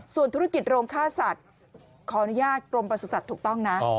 ส่วนธุรกิจโรงค่าสัตว์ขออนุญาตกรมประสุทธิ์ถูกต้องนะ